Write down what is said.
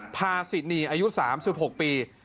พาสินีอายุ๓๖ปี